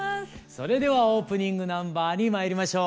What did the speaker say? それではオープニングナンバーに参りましょう。